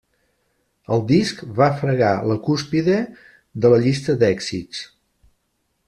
El disc va fregar la cúspide de la llista d'èxits.